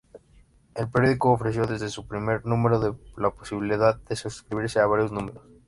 El periódico ofreció desde su primer número la posibilidad de suscribirse a varios números.